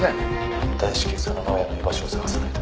「大至急佐野直也の居場所を捜さないと」